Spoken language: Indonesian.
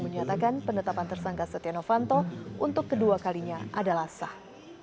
menyatakan penetapan tersangka setia novanto untuk kedua kalinya adalah sah